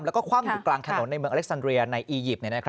แล้วก็คว่ำอยู่กลางถนนในเมืองอเล็กซันเรียในอียิปต์